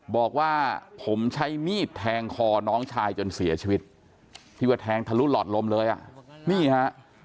บอกว่าผมใช้มีดแทงคอน้องชายจนเสียชีวิตที่ว่าแทงทะลุหลอดลมเลยอ่ะนี่ฮะ